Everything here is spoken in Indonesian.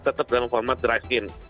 tetap dalam format drive in